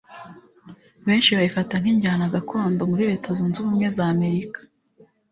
benshi bayifata nk'injyana gakondo muri leta zunze ubumwe za amerika